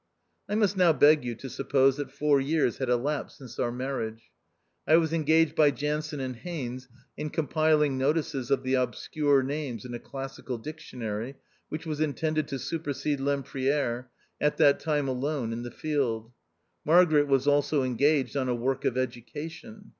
I must now beg you to suppose that four years had elapsed since our marriage. I was engaged by Jansen and Haines in com piling notices of the " obscure names "in a Classical Dictionary, which was intended to supersede Lempriere, at that time alone in the field. Margaret was also engaged on a work of education.